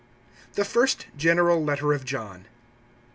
THE FIRST GENERAL LETTER OF JOHN.